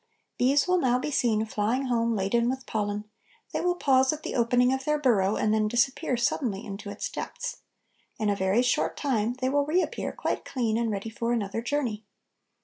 Bees will now be seen flying home laden with pollen; they will pause at the opening of their burrow and then disappear suddenly into its depths. In a very short time they will reappear quite clean and ready for another journey.